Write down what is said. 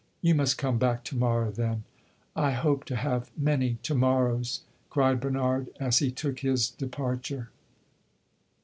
"You must come back to morrow, then." "I hope to have many to morrows!" cried Bernard as he took his departure.